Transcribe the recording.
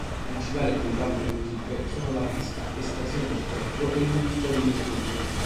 Le principali attività produttive sono la pesca, estrazione del ferro e l'industria degli esplosivi.